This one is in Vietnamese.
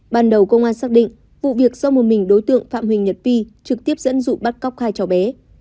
ban đầu công an xác định vụ việc do một mình đối tượng phạm huỳnh nhật vi trực tiếp dẫn dụ bắt cóc hai cháu bé